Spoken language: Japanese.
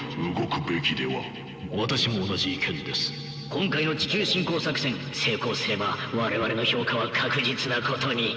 今回の地球侵攻作戦成功すれば我々の評価は確実なことに。